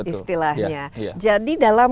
istilahnya jadi dalam